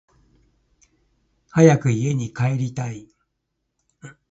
早く家に帰りたい